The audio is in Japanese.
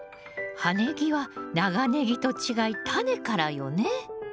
葉ネギは長ネギと違いタネからよね。